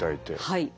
はい。